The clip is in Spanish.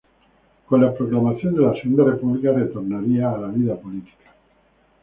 Con la proclamación de la Segunda República retornaría a la vida política.